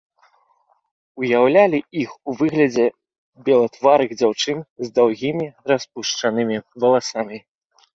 Уяўлялі іх у выглядзе белатварых дзяўчын з даўгімі распушчанымі валасамі.